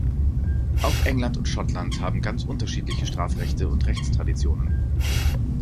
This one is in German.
Auch England und Schottland haben ganz unterschiedliche Strafrechte und Rechtstraditionen.